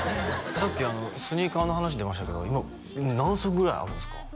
さっきスニーカーの話出ましたけど今何足ぐらいあるんですか？